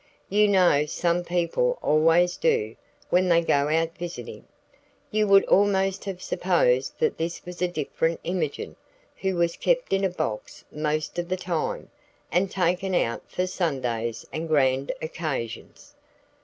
You know some people always do, when they go out visiting. You would almost have supposed that this was a different Imogen, who was kept in a box most of the time, and taken out for Sundays and grand occasions.